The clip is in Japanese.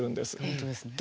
本当ですね。